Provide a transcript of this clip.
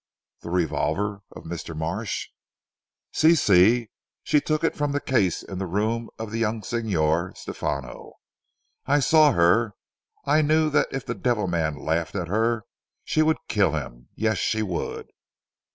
"The revolver of Mr. Marsh?" "Si! Si! She took it from the case in the room of the young Signor Stefano. I saw her. I knew that if the devil man laughed at her she would kill him. Yes. She would."